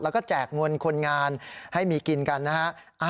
แล้วก็แจกเงินคนงานให้มีกินกันนะฮะ